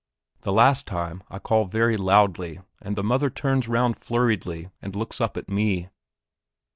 The last time I call very loudly, and the mother turns round flurriedly and looks up at me.